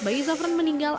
bayi zafran meninggal